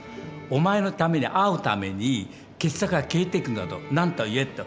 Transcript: お前のために会うために傑作が消えていくんだと何とか言えと。